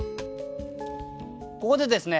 ここでですね